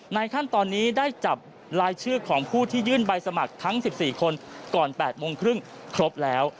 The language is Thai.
ขั้นตอนนี้ได้จับรายชื่อของผู้ที่ยื่นใบสมัครทั้ง๑๔คนก่อน๘โมงครึ่งครบแล้ว